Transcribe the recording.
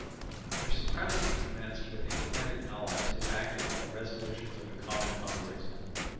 Their supremacy commenced with independent allies who acted on the resolutions of a common congress.